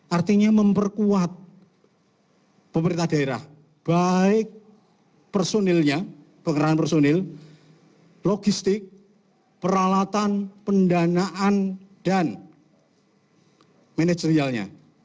artinya memperkuat pemerintah daerah baik personilnya pengerahan personil logistik peralatan pendanaan dan manajerialnya